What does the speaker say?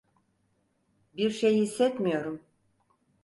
Bir şey hissetmiyorum.